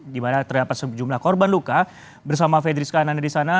di mana terdapat sejumlah korban luka bersama fedriska ananda di sana